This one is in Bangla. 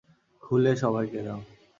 খুলে সবাইকে দাও।